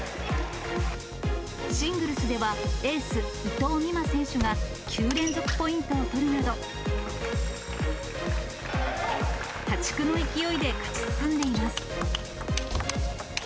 シングルスではエース、伊藤美誠選手が９連続ポイントを取るなど、破竹の勢いで勝ち進んでいます。